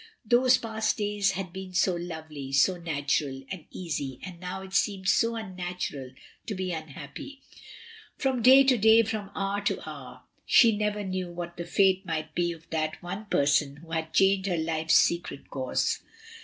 Those past days had been so lovely, so natural, and easy, and now it seemed so imnatural to De unhappy. From day to day, from hoiu* to hour, she never knew what the fate might be of that oae person who had changed her life's secret course.